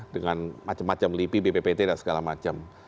dengan macam macam lipi bppt dan segala macam